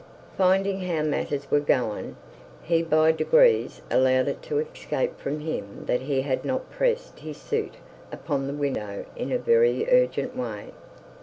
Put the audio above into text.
Finding how matters were going, he by degrees allowed it to escape from him that he had not pressed his suit upon the widow in a very urgent way.